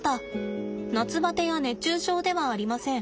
夏バテや熱中症ではありません。